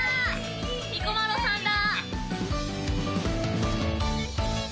彦摩呂さんだ！